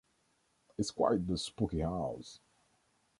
It’s quite the spooky house.